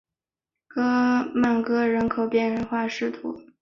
曼戈人口变化图示